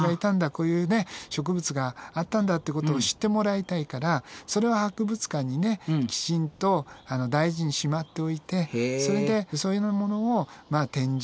こういうね植物があったんだってことを知ってもらいたいからそれを博物館にねきちんと大事にしまっておいてそれでそういうようなものを展示